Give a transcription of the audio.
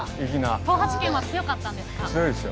東八拳も強かったんですか？